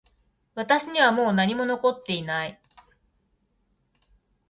私にはもう何も残っていない